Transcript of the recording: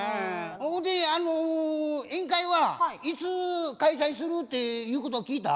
ほんで宴会はいつ開催するっていうことを聞いた？